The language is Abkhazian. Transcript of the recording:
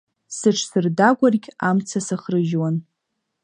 Сыҽсырдагәаргь амца сыхрыжьуан.